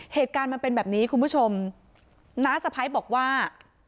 เหตุการณ์มันเป็นแบบนี้คุณผู้ชมน้าสะพ้ายบอกว่า